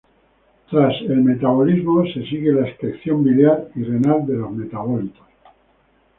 Tras el metabolismo se sigue la excreción biliar y renal de los metabolitos.